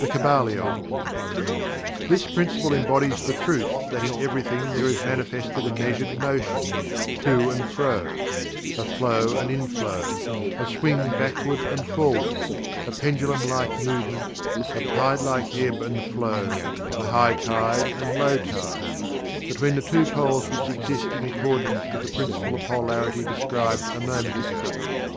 The Kybalion. This Principle embodies the truth that in everything there is manifested a measured motion, to and fro; a flow and inflow; a swing backward and forward; a pendulum like movement; a tide like ebb and flow; a high tide and low tide; between the two poles which exist in accordance with the Principle of Polarity described a moment ago.